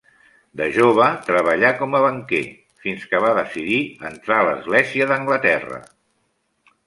De jove treballà com a banquer, fins que va decidir entrar a l'Església d'Anglaterra.